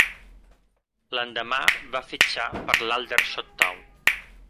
L'endemà va fitxar per l'Aldershot Town.